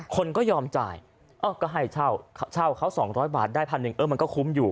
คนก็ยอมจ่ายก็ให้เช่าเช่าเขา๒๐๐บาทได้พันหนึ่งเออมันก็คุ้มอยู่